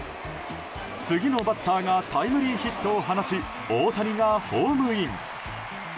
次のバッターがタイムリーヒットを放ち大谷がホームイン。